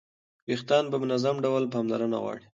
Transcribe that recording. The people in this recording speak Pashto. ویښتان په منظم ډول پاملرنه غواړي.